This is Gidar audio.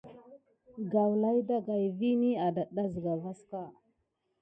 Gawla ɗagaï vini adata sika vaska.